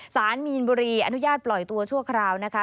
สารมีนบุรีอนุญาตปล่อยตัวชั่วคราวนะคะ